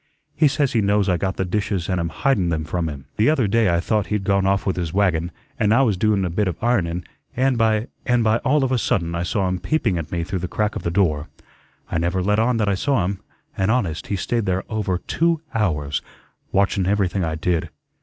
"He says he knows I got the dishes and am hidun them from him. The other day I thought he'd gone off with his wagon, and I was doin' a bit of ir'ning, an' by an' by all of a sudden I saw him peeping at me through the crack of the door. I never let on that I saw him, and, honest, he stayed there over two hours, watchun everything I did.